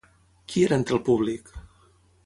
Qui era entre el públic?